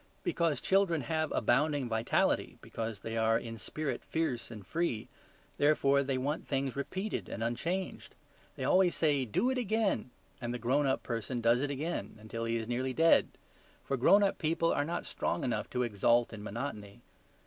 Because children have abounding vitality, because they are in spirit fierce and free, therefore they want things repeated and unchanged. They always say, "Do it again"; and the grown up person does it again until he is nearly dead. For grown up people are not strong enough to exult in monotony.